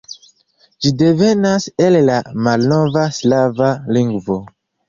Ĝi devenas el la malnova slava lingvo.